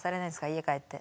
家帰って。